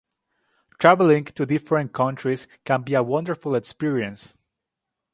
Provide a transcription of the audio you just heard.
Traveling to different countries can be a wonderful experience.